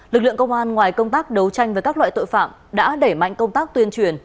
lực lượng công an ngoài công tác đấu tranh với các loại tội phạm đã đẩy mạnh công tác tuyên truyền